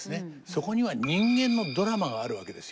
そこには人間のドラマがあるわけですよ。